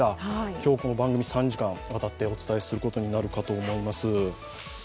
今日この番組３時間にわたてお伝えすることになります。